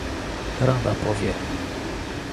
Rada powie